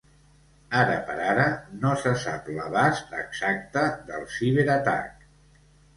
Ara per ara, no se sap l’abast exacte del ciberatac.